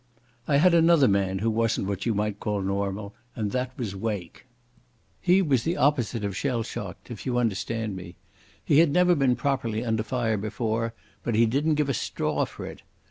I had another man who wasn't what you might call normal, and that was Wake. He was the opposite of shell shocked, if you understand me. He had never been properly under fire before, but he didn't give a straw for it.